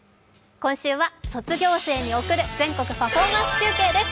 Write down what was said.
今週は「卒業生に贈る全国パフォーマンス中継」です。